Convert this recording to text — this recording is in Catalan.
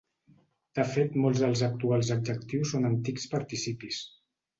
De fet molts dels actuals adjectius són antics participis.